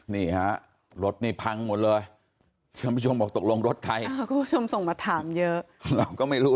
นี่รถนี่พังหมดเลยชมบอกตกลงรถใครส่งมาถามเยอะก็ไม่รู้